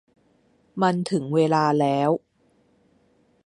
มันถึงเวลาแล้ว